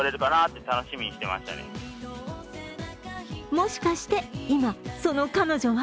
もしかして、今、その彼女は？